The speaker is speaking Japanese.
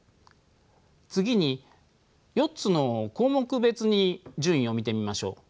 次に４つの項目別に順位を見てみましょう。